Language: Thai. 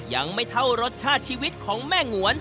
ยังไม่เท่ารสชาติชีวิตของแม่งวน